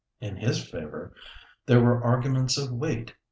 But in his favour there were arguments of weight.